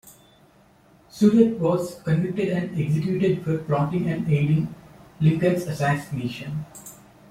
Surratt was convicted and executed for plotting and aiding Lincoln's assassination.